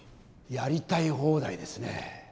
やりたい放題ですね。